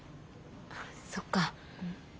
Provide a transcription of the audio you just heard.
そっか。